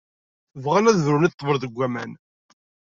Bɣan ad brun i ḍḍbel deg waman?